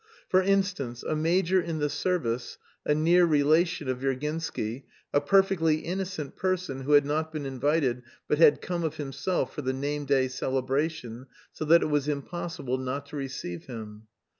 For instance, a major in the service, a near relation of Virginsky, a perfectly innocent person who had not been invited but had come of himself for the name day celebration, so that it was impossible not to receive him.